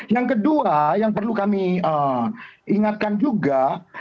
yang kedua yang perlu kami ingatkan juga